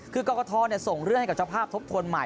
คือกรกฐส่งเรื่องให้กับเจ้าภาพทบทวนใหม่